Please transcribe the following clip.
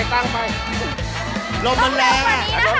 เร็วตั้งเร็วกว่าที